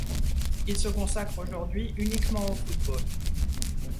Il se consacre aujourd'hui uniquement au football.